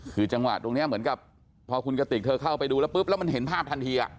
คือจังหวะตรงนี้เหมือนกับพอคุณกติกเธอเข้าไปดูแล้วปุ๊บแล้วมันเห็นภาพทันที